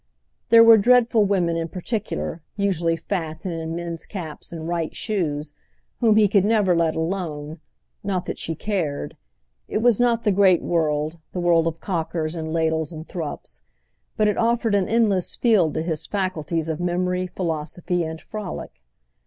There were dreadful women in particular, usually fat and in men's caps and write shoes, whom he could never let alone—not that she cared; it was not the great world, the world of Cocker's and Ladle's and Thrupp's, but it offered an endless field to his faculties of memory, philosophy, and frolic.